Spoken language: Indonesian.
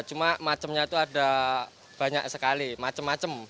cuma macemnya itu ada banyak sekali macem macem